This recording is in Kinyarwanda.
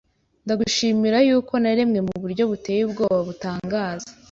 ndagushimira yuko naremwe uburyo buteye ubwoba butangaza,